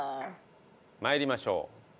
参りましょう。